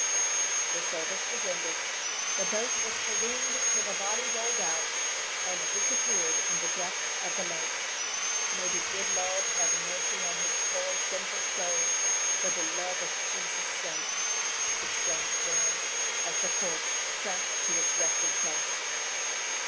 The service was ended; the boat was careened till the body rolled out, and disappeared in the depths of the lake. "May de good Lo'd hab mercy on his poor, sinful soul, for de lub of Jesus' sake!" exclaimed Quin, as the corpse sank to its resting place.